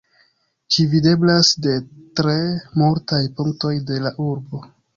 Ĝi videblas de tre multaj punktoj de la urbo.